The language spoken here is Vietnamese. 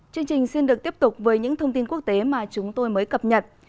chương trình xin được tiếp tục với những thông tin quốc tế mà chúng tôi mới cập nhật